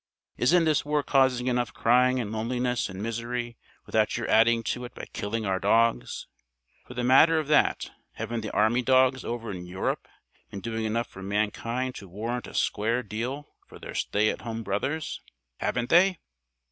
Isn't this war causing enough crying and loneliness and misery without your adding to it by killing our dogs? For the matter of that, haven't the army dogs over in Europe been doing enough for mankind to warrant a square deal for their stay at home brothers? Haven't they?"